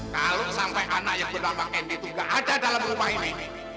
kalau sampai anak yang bernama mp itu nggak ada dalam rumah ini